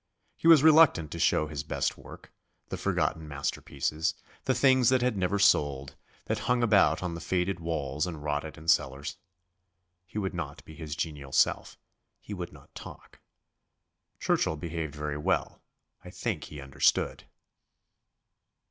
He was reluctant to show his best work, the forgotten masterpieces, the things that had never sold, that hung about on the faded walls and rotted in cellars. He would not be his genial self; he would not talk. Churchill behaved very well I think he understood.